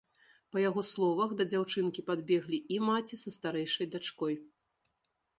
Па яго словах, да дзяўчынкі падбеглі і маці са старэйшай дачкой.